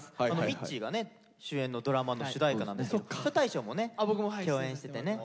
みっちーがね主演のドラマの主題歌なんですけど大昇もね共演しててね。